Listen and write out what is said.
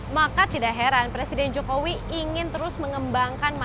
maka tidak heran presiden jokowi ingin terus mengembangkan